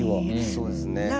そうですね。